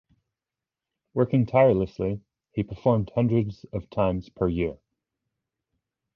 Working tirelessly, he performed hundreds of times per year.